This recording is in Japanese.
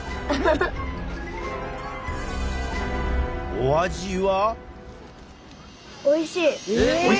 お味は？